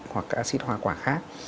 hoặc các acid hoa quả khác